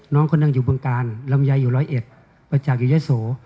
น้องคนนั้นอยู่เบื้องกาลลำยายอยู่ร้อยเอ็ดประจากอยู่ย้ายโส